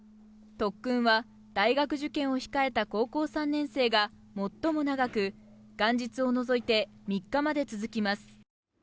特訓は大学受験を控えた高校３年生が最も長く元日を除いて３日まで続きます。